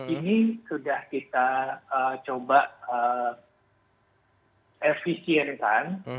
ini sudah kita coba efisienkan